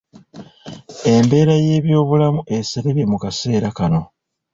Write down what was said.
Embeera y’ebyobulamu eserebye mu kaseera kano.